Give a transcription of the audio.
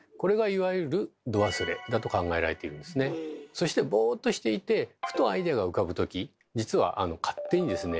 そしてボーっとしていてふとアイデアが浮かぶとき実は勝手にですね